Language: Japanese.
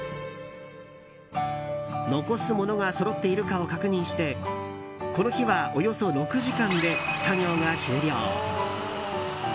残す物がそろっているかを確認してこの日は、およそ６時間で作業が終了。